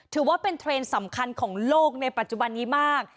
ถือว่าเป็นเทรนด์สำคัญของโลกในปัจจุบันนี้มาก